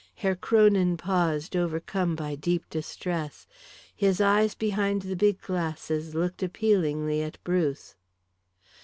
Herr Kronin paused, overcome by deep distress. His eyes behind the big glasses looked appealingly at Bruce.